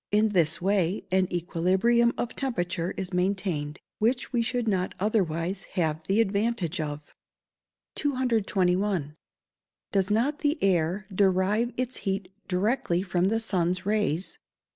In this way an equilibrium of temperature is maintained, which we should not otherwise have the advantage of. 221. _Does not the air derive its heat directly from the sun's rays?